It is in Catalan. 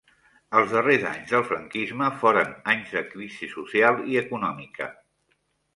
Els darrers anys del franquisme foren anys de crisi social i econòmica.